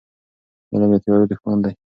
علم د تیارو دښمن دی.